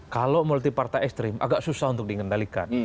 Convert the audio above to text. kalau multi partai ekstrim agak susah untuk dikendalikan